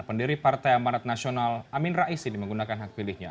pendiri partai amanat nasional amin rais ini menggunakan hak pilihnya